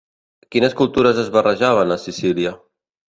Quines cultures es barrejaven a Sicília?